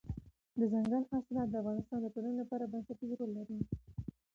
دځنګل حاصلات د افغانستان د ټولنې لپاره بنسټيز رول لري.